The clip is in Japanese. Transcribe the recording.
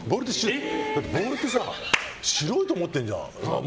ボールって白いと思ってるじゃん。